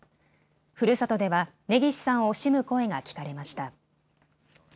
ふるさとでは根岸さんを惜しむ声が聞かれました。